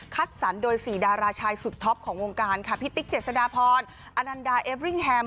สรรโดย๔ดาราชายสุดท็อปของวงการค่ะพี่ติ๊กเจษฎาพรอนันดาเอฟริ่งแฮม